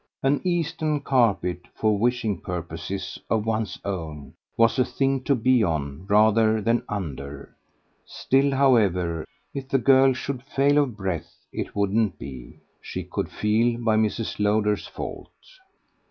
An Eastern carpet, for wishing purposes of one's own, was a thing to be on rather than under; still, however, if the girl should fail of breath it wouldn't be, she could feel, by Mrs. Lowder's fault.